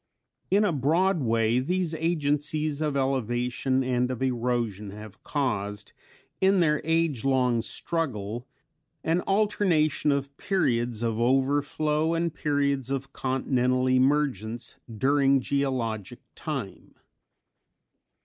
_ In a broad way these agencies of elevation and of erosion have caused in their age long struggle an alternation of periods of overflow and periods of continental emergence during geologic time.